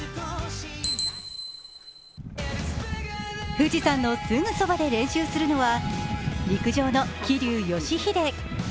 富士山のすぐそばで練習するのは陸上の桐生祥秀。